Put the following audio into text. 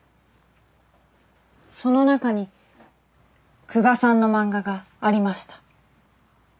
その中に久我さんの漫画がありました。